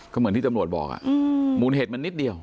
ก็เหมือนที่ตำรวจบอกมูลเหตุมันนิดเดียว